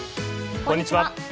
こんにちは。